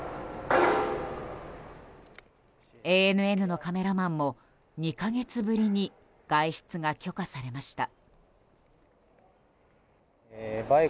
ＡＮＮのカメラマンも２か月ぶりに外出が許可されました。